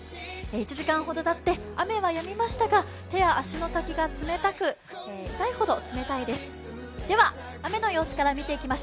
１時間ほどたって雨はやみましたが手や足の先が冷たく痛いほど冷たいです。